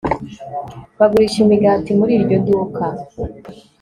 Bagurisha imigati muri iryo duka